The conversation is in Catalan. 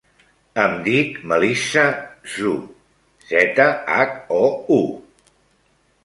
Em dic Melissa Zhou: zeta, hac, o, u.